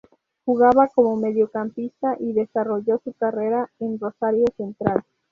Jugaba como mediocampista y desarrolló su carrera en Rosario Central.